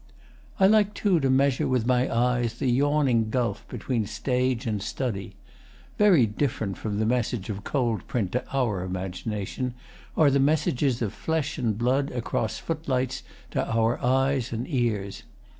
I like, too, to measure with my eyes the yawning gulf between stage and study. Very different from the message of cold print to our imagination are the messages of flesh and blood across footlights to our eyes and ears.